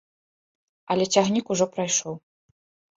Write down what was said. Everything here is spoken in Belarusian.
Але цягнік ужо прайшоў.